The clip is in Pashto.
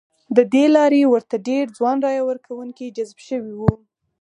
ه دې لارې ورته ډېر ځوان رایه ورکوونکي جذب شوي وو.